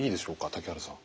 竹原さん。